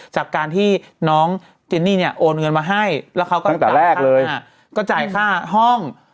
จากการที่น้องเจนนี่โอนเงินมาให้แล้วเขาก็จ่ายค่าห้อง